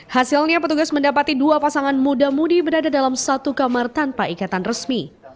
hasilnya petugas mendapati dua pasangan muda mudi berada dalam satu kamar tanpa ikatan resmi